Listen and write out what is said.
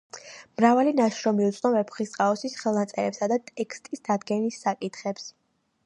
მრავალი ნაშრომი უძღვნა ვეფხისტყაოსნის ხელნაწერებსა და ტექსტის დადგენის საკითხებს.